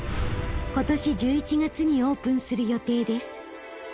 今年１１月にオープンする予定です。